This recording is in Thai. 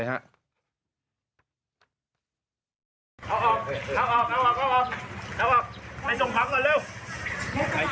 เอาออกเอาออกเอาออกเอาออกไปส่งพักหน่อยเร็ว